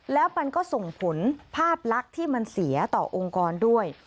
แล้วมันก็ส่งผลภาพลักษณ์ที่มันเสียต่อองค์กรด้วย